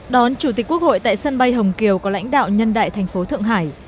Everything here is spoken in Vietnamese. đón chủ tịch quốc hội tại sân bay hồng kiều có lãnh đạo nhân đại thành phố thượng hải